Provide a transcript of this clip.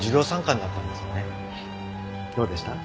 どうでした？